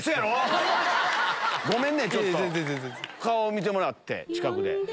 顔を見てもらって近くで。